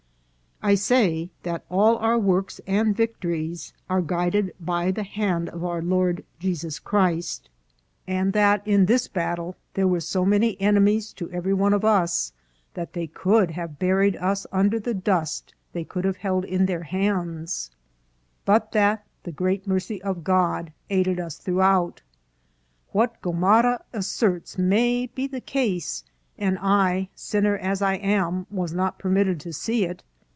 I say that all our works and victo ries are guided by the hand of our Lord Jesus Christ, 446 INCIDENTS OF TRAVEL. and that in this battle there were so many enemies to every one of us, that they could have buried us under the dust they could have held in their hands, but that the great mercy of God aided us throughout. What Gomara asserts may be the case, and I, sinner as I am, was not permitted to see it.